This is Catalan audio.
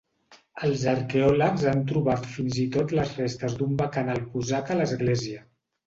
Els arqueòlegs han trobat fins i tot les restes d'una bacanal cosaca a l'església.